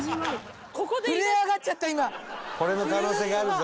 これの可能性があるぞ。